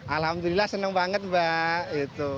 alhamdulillah senang banget mbak